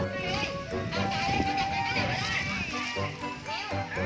เมื่อ